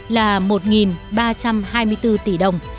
là một ba trăm hai mươi bốn tỷ đồng